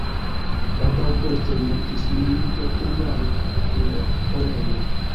Baldaŭ poste li mortis en milita tendaro pro ĥolero.